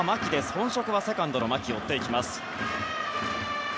本職はセカンドの牧が追っていきました。